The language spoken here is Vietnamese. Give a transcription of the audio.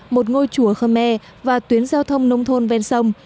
một ngôi chùa khơ me và tuyến giao thông nông thôn ven sông